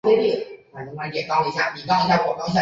后来李自成封朱慈烺为宋王。